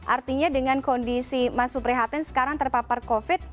artinya dengan kondisi mas suprihatin sekarang terpapar covid